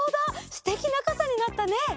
すてきなかさになったね！